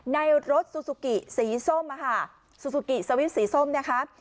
ในรถซูซูกิสีส้มซูซูกิสวิตชสีส้มนะคะ